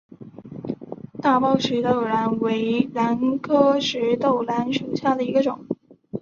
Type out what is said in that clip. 大苞石豆兰为兰科石豆兰属下的一个种。